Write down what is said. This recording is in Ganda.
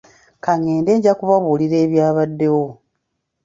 Ka ngende nja kubabuulira ebyabaddewo.